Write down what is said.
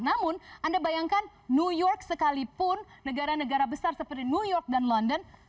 namun anda bayangkan new york sekalipun negara negara besar seperti new york dan london